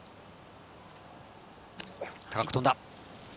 高く飛んだ！